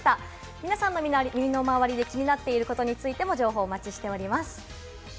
皆さんの身の回りで気になっていることについても情報をお待ちしております。